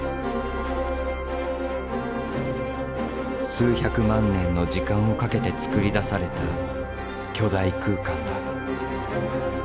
数百万年の時間をかけてつくり出された巨大空間だ。